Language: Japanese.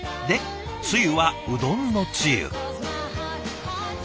でつゆはうどんのつゆ。